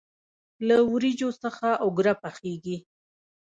له وریجو څخه اوگره پخیږي.